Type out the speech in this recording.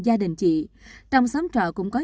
gia đình chị trong xóm trọ cũng có